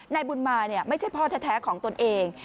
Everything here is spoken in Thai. นายบุญมาไม่ใช่พ่อแท้ของตนเอง